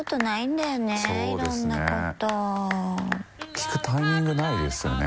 聞くタイミングないですよね。